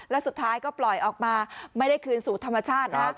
แล้วสุดท้ายก็ปล่อยออกมาไม่ได้คืนสู่ธรรมชาตินะ